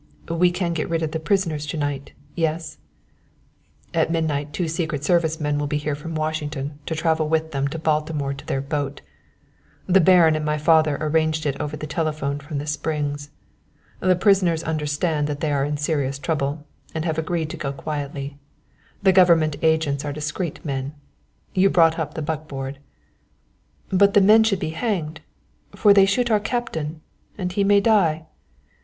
"We can get rid of the prisoners to night yes?" "At midnight two secret service men will be here from Washington to travel with them to Baltimore to their boat. The Baron and my father arranged it over the telephone from the Springs. The prisoners understand that they are in serious trouble, and have agreed to go quietly. The government agents are discreet men. You brought up the buckboard?" "But the men should be hanged for they shot our captain, and he may die."